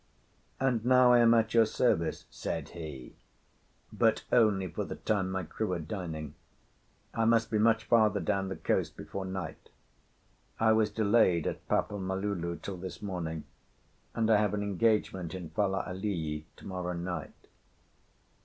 "And now I am at your service," said he, "but only for the time my crew are dining. I must be much farther down the coast before night. I was delayed at Papa Malulu till this morning, and I have an engagement in Fale alii to morrow night."